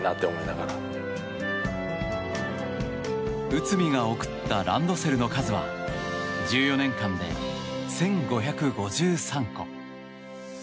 内海が贈ったランドセルの数は１４年間で１５５３個。